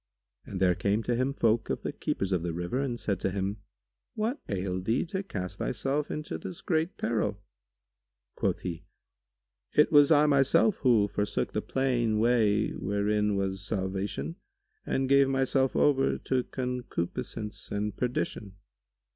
And there came to him folk of the keepers of the river and said to him, "What ailed thee to cast thyself into this great peril?" Quoth he, "It was I myself who forsook the plain way wherein was salvation and gave myself over to concupiscence and perdition."